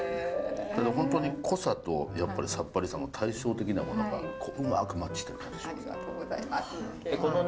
本当に濃さとやっぱりさっぱりさの対照的なものがうまくマッチしてる感じがしますね。